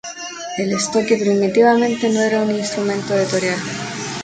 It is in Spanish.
El estoque primitivamente no era un instrumento de torear.